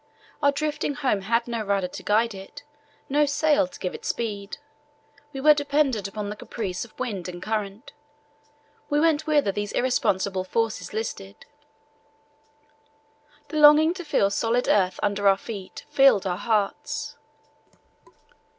Our drifting home had no rudder to guide it, no sail to give it speed. We were dependent upon the caprice of wind and current; we went whither those irresponsible forces listed. The longing to feel solid earth under our feet filled our hearts.